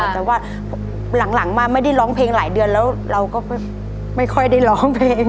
แต่ว่าหลังมาไม่ได้ร้องเพลงหลายเดือนแล้วเราก็ไม่ค่อยได้ร้องเพลง